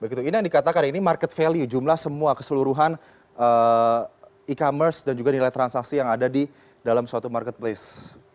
ini yang dikatakan ini market value jumlah semua keseluruhan e commerce dan juga nilai transaksi yang ada di dalam suatu marketplace